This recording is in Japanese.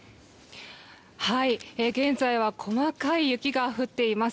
現在は細かい雪が降っています。